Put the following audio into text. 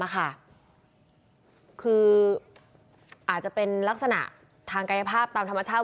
คืออาจจะเป็นลักษณะทางกายภาพตามธรรมชาติ